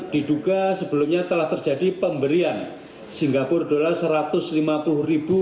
diduga sebelumnya telah terjadi pemberian singapura dolar rp satu ratus lima puluh ribu